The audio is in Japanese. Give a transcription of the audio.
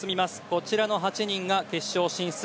こちらの８人が決勝進出。